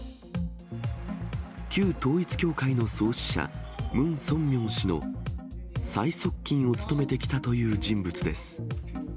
旧統一教会の創始者、ムン・ソンミョン氏の最側近を務めてきたという人物です。